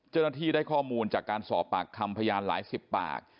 เจ้าหน้าที่ได้ข้อมูลจากการสอบปากคำพยานหลายสิบปาก